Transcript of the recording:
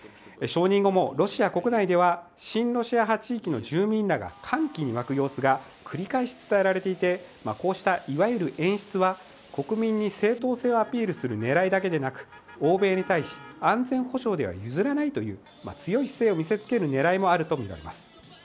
承認後もロシア国内では親ロシア派地域の住民らが歓喜に沸く様子が繰り返し伝えられていてこうしたいわゆる演出は国民に正当性をアピールする狙いだけではなく欧米に対し安全保障では譲らないという強い姿勢を見せつける狙いもあるとみられます。